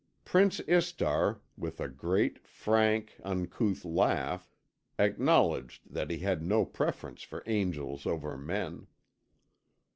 Prince Istar, with a great frank, uncouth laugh, acknowledged that he had no preference for angels over men.